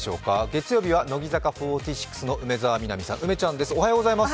月曜日は乃木坂４６の梅澤美波さん、梅ちゃんです。